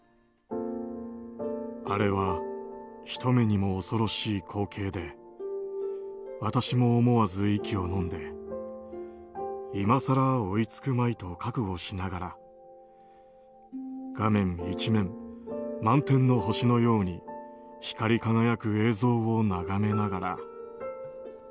あれは人目にも恐ろしい光景で私も思わず息をのんで今更追いつくまいと覚悟しながら画面一面、満天の星のように光り輝く映像を眺めながら。